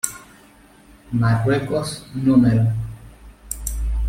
Marruecos núm.